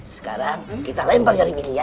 sekarang kita lempar ya dimini ya